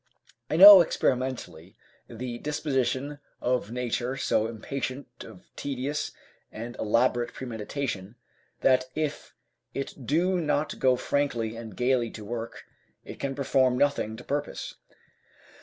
I know, experimentally, the disposition of nature so impatient of tedious and elaborate premeditation, that if it do not go frankly and gaily to work, it can perform nothing to purpose.